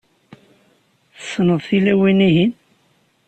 Tessneḍ tilawin-ihin?